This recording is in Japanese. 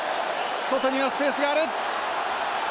外にはスペースがある！